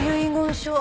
書